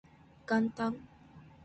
元旦